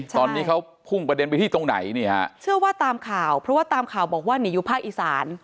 ตอนนี้เขาพุ่งประเด็นไปที่ตรงไหนนี่ฮะเชื่อว่าตามข่าวเพราะว่าตามข่าวบอกว่าหนีอยู่ภาคอีสาน